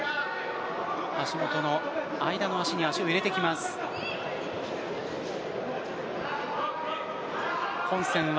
橋本の間の足に足を入れてきます、ブトブル。